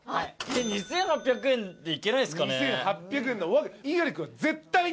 ２，８００円でいけないっすかね？